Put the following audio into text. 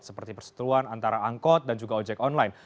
seperti perseturuan antara angkot dan juga ojek online